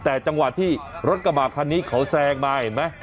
แต่จังหวะที่รถกระบาดคันนี้เขาแซงมาเห็นไหม